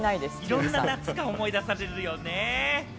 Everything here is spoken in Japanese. いろんな夏が思い出されるよね。